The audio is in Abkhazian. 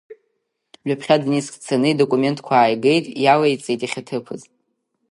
Ҩаԥхьа Донецк дцаны идокументқәа ааигеит, иалеиҵеит иахьаҭыԥыз.